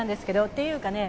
っていうかね